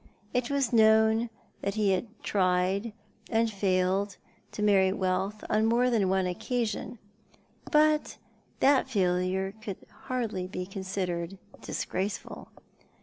It was known that he had tried and failed to marry wealth on more than one occasion ; but that failure could hardly be considered disgraceful.